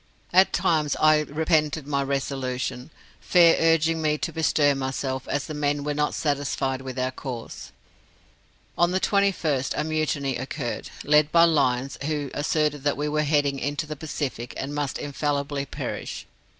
At times I repented my resolution, Fair urging me to bestir myself, as the men were not satisfied with our course. On the 21st a mutiny occurred, led by Lyons, who asserted we were heading into the Pacific, and must infallibly perish.